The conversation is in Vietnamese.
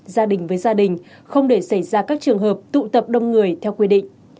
gia đình với gia đình không để xảy ra các trường hợp tụ tập đông người theo quy định